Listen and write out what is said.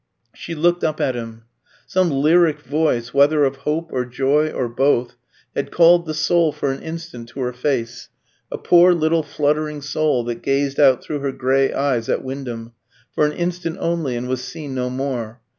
She looked up at him. Some lyric voice, whether of hope or joy, or both, had called the soul for an instant to her face a poor little fluttering soul, that gazed out through her grey eyes at Wyndham for an instant only, and was seen no more.